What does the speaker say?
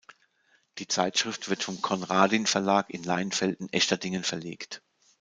Die Zeitschrift wird vom Konradin Verlag in Leinfelden-Echterdingen verlegt.